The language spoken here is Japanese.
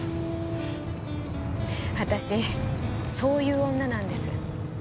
私そういう女なんです。